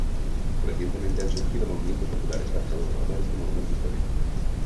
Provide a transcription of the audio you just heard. Recientemente han surgido movimientos populares para salvaguardar este monumento histórico.